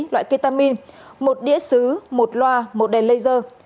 loại ketamin một đĩa xứ một loa một đèn laser